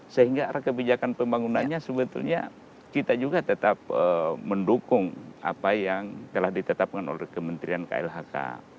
sehingga kebijakan pembangunannya sebetulnya kita juga tetap mendukung apa yang telah ditetapkan oleh kementerian klhk